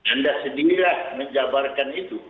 anda sendiri lah menjabarkan itu